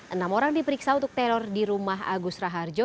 enam orang diperiksa untuk teror di rumah agus raharjo